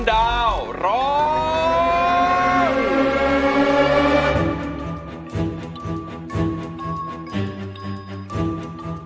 แล้วก็เห็นสายตามุ่งมั่นของคนที่เป็นลูกที่แม่นั่งอยู่ตรงนี้ด้วย